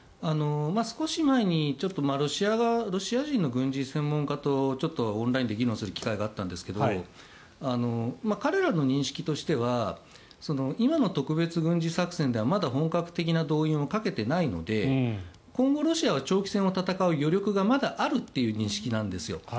少し前にロシア人の軍事専門家とオンラインで議論する機会があったんですけど彼らの認識としては今の特別軍事作戦ではまだ本格的な動員をかけていないので今後、ロシアは長期戦を戦う余力がまだあるという認識なんですよ。